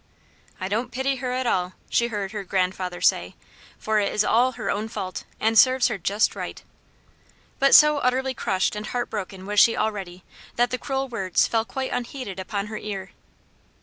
"I don't pity her at all," she heard her grandfather say, "for it is all her own fault, and serves her just right." But so utterly crushed and heart broken was she already, that the cruel words fell quite unheeded upon her ear.